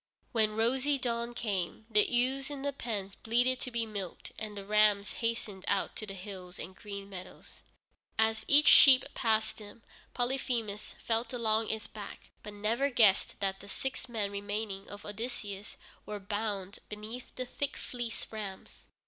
When rosy dawn came, the ewes in the pens bleated to be milked and the rams hastened out to the hills and green meadows. As each sheep passed him, Polyphemus felt along its back, but never guessed that the six remaining men of Odysseus were bound beneath the thick fleeced rams.